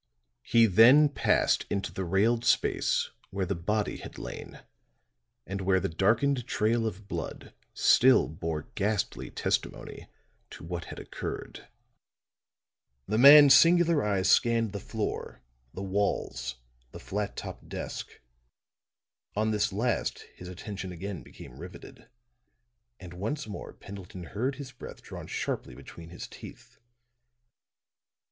He then passed into the railed space where the body had lain and where the darkened trail of blood still bore ghastly testimony to what had occurred. The man's singular eyes scanned the floor, the walls, the flat topped desk. On this last his attention again became riveted; and once more Pendleton heard his breath drawn sharply between his teeth.